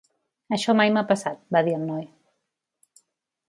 "Això mai m'ha passat", va dir el noi.